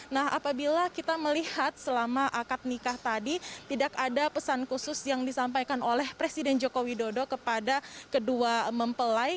nah apabila kita melihat selama akad nikah tadi tidak ada pesan khusus yang disampaikan oleh presiden joko widodo kepada kedua mempelai